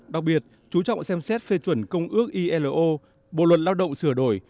đặc biệt chú trọng xem xét phê chuẩn công ước ilo bộ luật lao động sửa đổi